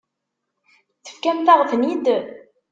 Tefkamt-aɣ-ten-id.